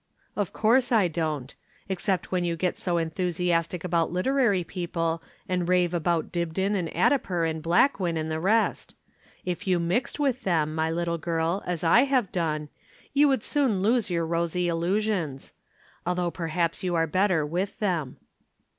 "Of course I don't except when you get so enthusiastic about literary people and rave about Dibdin and Addiper and Blackwin and the rest. If you mixed with them, my little girl, as I have done, you would soon lose your rosy illusions. Although perhaps you are better with them."